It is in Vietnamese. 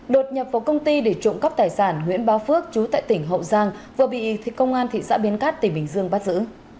đột nhập vào công ty để trộm cắp tài sản nguyễn ba phước chú tại tỉnh hậu giang vừa bị công an thị xã biên cát tỉnh bình dương bắt giữ